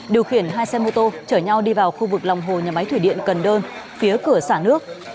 điều khiển hai xe mô tô chở nhau đi vào khu vực lòng hồ nhà máy thủy điện cần đơn phía cửa xã nước